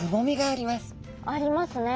ありますね。